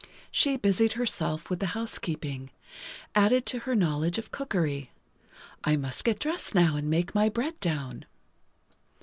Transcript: She busied herself with the housekeeping—added to her knowledge of cookery. "I must get dressed now, and make my bread down."